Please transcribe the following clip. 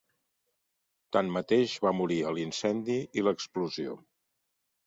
Tanmateix, va morir a l'incendi i l'explosió.